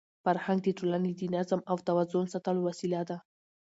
فرهنګ د ټولني د نظم او توازن ساتلو وسیله ده.